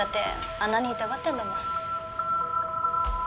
あんなに痛がってるんだもん。